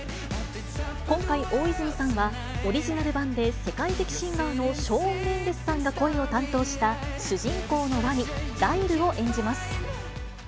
今回、大泉さんはオリジナル版で世界的シンガーのショーン・メンデスさんが声を担当した主人公のワニ、ライルを演じます。